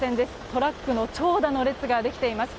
トラックの長蛇の列ができています。